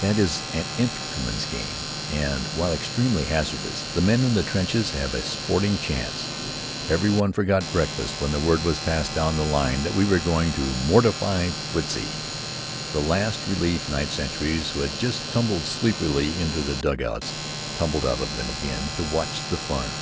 That is an infantryman's game, and, while extremely hazardous, the men in the trenches have a sporting chance. Every one forgot breakfast when word was passed down the line that we were going to "mortarfy" Fritzie. The last relief night sentries, who had just tumbled sleepily into their dugouts, tumbled out of them again to watch the fun.